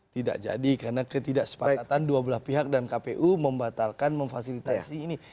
tidak jadi karena ketidaksepakatan dua belah pihak dan kpu membatalkan memfasilitasi ini